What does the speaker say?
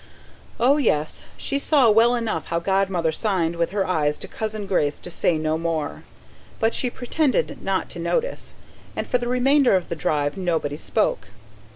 Oh yes, she saw well enough how Godmother signed with her eyes to Cousin Grace to say no more; but she pretended not to notice, and for the remainder of the drive nobody spoke.